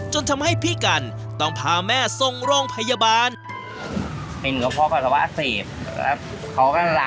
จนทำให้พี่กันต้องพาแม่ส่งโรงพยาบาล